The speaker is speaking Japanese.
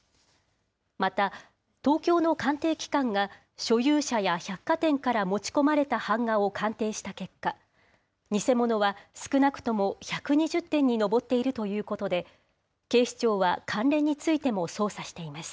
また、東京の鑑定機関が所有者や百貨店から持ち込まれた版画を鑑定した結果、偽物は少なくとも１２０点に上っているということで、警視庁は関連についても捜査しています。